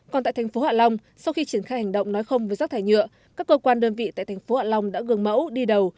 còn tại thành phố hạ long sau khi triển khai hành động nói không với rác thải nhựa các cơ quan đơn vị tại thành phố hạ long đã gương mẫu đi đầu